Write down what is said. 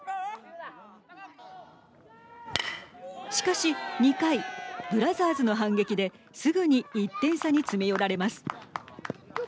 しかし２回ブラザーズの反撃ですぐに１点差に詰め寄られます。